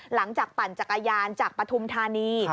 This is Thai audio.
หลังจากปั่นจักรยานจากปฐุมธานี